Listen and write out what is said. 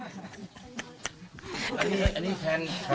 อันนี้แทน